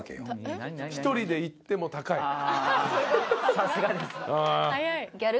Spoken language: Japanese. さすがです。